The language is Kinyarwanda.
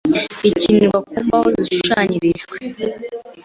ikinirwa ku mbaho zishushanyijeho,